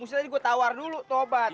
mesti tadi gue tawar dulu tuh obat